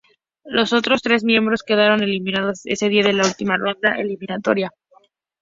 Los otros tres miembros quedaron eliminados ese día en la última ronda eliminatoria.